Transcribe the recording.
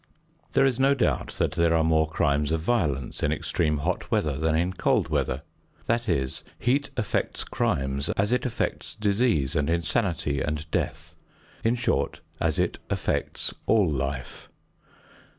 There is no doubt that there are more crimes of violence in extreme hot weather than in cold weather. That is, heat affects crimes as it affects disease and insanity and death; in short, as it affects all life.